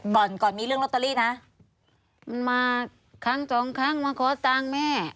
ก่อนก่อนมีเรื่องลอตเตอรี่นะมันมาครั้งสองครั้งมาขอตังค์แม่